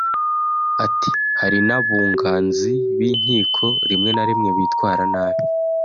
Ati “Hari n’abunganzi b’inkiko rimwe na rimwe bitwara nabi